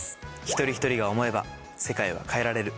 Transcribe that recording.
一人一人が思えば世界は変えられる。